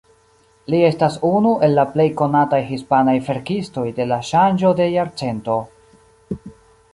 Li estas unu el la plej konataj hispanaj verkistoj de la ŝanĝo de jarcento.